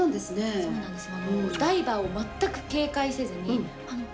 そうなんですよね。